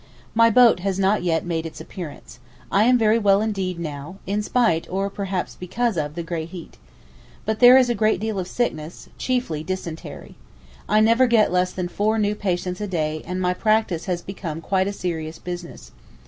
My boat has not yet made its appearance. I am very well indeed now, in spite, or perhaps because of, the great heat. But there is a great deal of sickness—chiefly dysentery. I never get less than four new patients a day and my 'practice' has become quite a serious business.